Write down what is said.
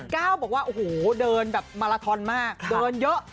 ก้าวบอกว่าโอ้โหเดินแบบมาลาทอนมากเดินเยอะ